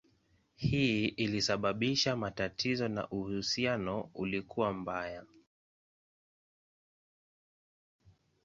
Hii ilisababisha matatizo na uhusiano ulikuwa mbaya.